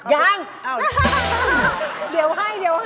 ยังอ้าวเดี๋ยวให้